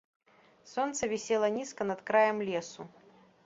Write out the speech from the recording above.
Сонца вісела нізка над краем лесу.